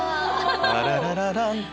ラララララって。